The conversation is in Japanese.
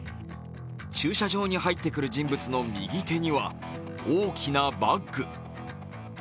駐車場に入ってくる人物の右手には大きなバッグ。